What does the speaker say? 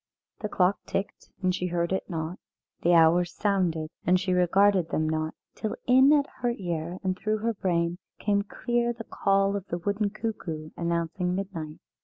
The clock ticked, and she heard it not; the hours sounded, and she regarded them not till in at her ear and through her brain came clear the call of the wooden cuckoo announcing midnight.